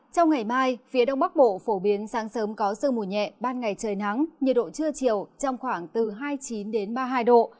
trong ngày mai phía đông bắc bộ phổ biến sáng sớm có sương mù nhẹ ban ngày trời nắng nhiệt độ trưa chiều trong khoảng từ hai mươi chín ba mươi hai độ